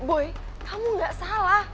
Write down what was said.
boy kamu nggak salah